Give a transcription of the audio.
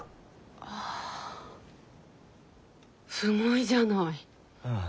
ああすごいじゃない。